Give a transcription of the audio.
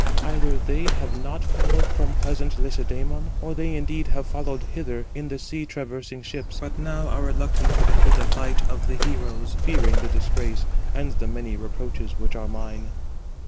Either they have not followed from pleasant Lacedæmon, or they indeed have followed hither in the sea traversing ships, but now are reluctant to enter the fight of the heroes, fearing the disgrace, and the many reproaches which are mine."